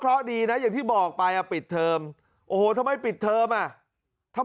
เพราะดีนะอย่างที่บอกไปอ่ะปิดเทอมโอ้โหทำไมปิดเทอมอ่ะถ้า